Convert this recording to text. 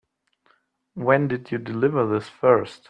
When did you deliver this first?